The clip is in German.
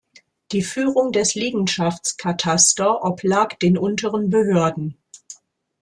Die Führung der Liegenschaftskataster oblag den unteren Behörden.